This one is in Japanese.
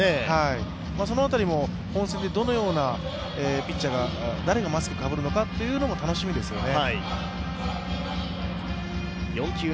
その辺りも本戦でどのような、誰がマスクかぶるのかというのも楽しみですよね。